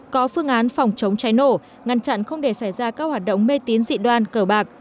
có phương án phòng chống cháy nổ ngăn chặn không để xảy ra các hoạt động mê tín dị đoan cờ bạc